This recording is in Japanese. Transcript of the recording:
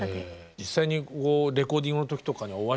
実際にレコーディングの時とかにお会いしたんですか？